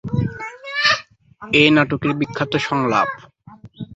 এ নাটকের বিখ্যাত সংলাপ